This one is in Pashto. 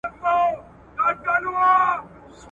سرې منګولي به زینت وي، څېرول به عدالت وي `